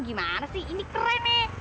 gimana sih ini keren nih